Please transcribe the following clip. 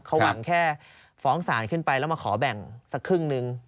เขาหวังแค่ฟ้องศาลขึ้นไปแล้วมาขอแบ่งสักครึ่งนึง